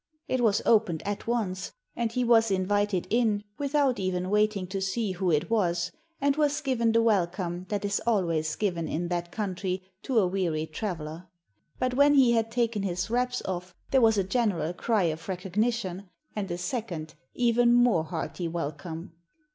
It was opened at once, and he was invited in without even waiting to see who it was, and was given the welcome that is always given in that country to a wearied traveller. But when he had taken his wraps off there was a general cry of recognition, and a second even more hearty welcome.